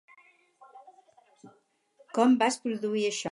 Com vas produir això?